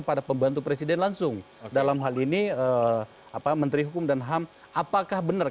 pp sembilan puluh sembilan itu berlaku